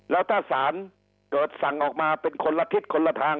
แล้วถ้าศาลเกิดสั่งออกมาเป็นคนละทิศคนละทาง